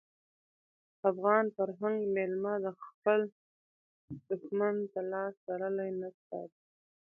افغان فرهنګ میلمه خپل دښمن ته لاس تړلی نه سپاري.